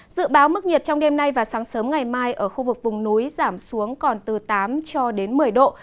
dự báo mức nhiệt trong đêm nay và sáng sớm ngày mai ở khu vực vùng núi giảm xuống còn từ tám cho đến một mươi độ